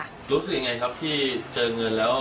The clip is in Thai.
รู้สึกยังไงครับที่เจอเงินแล้ว